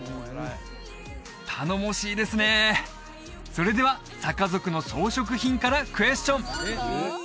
それではサカ族の装飾品からクエスチョン！